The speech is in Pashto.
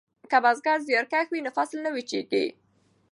که بزګر زیارکښ وي نو فصل نه وچیږي.